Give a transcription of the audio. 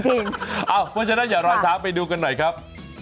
เพราะฉะนั้นอย่ารอช้าไปดูกันหน่อยครับ